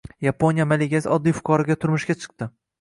Yaponiya malikasi oddiy fuqaroga turmushga chiqdi